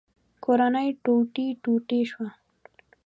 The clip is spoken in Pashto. کورنۍ ټوټې ټوټې شوه.